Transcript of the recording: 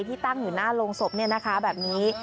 ที่ตั้งอยู่หน้าโรงศพแบบนี้